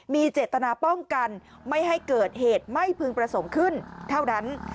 มีเจตนาป้องกันไม่ให้เกิดเหตุไม่พึงประสงค์ขึ้นเท่านั้น